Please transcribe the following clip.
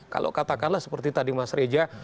kalau katakanlah seperti tadi mas reja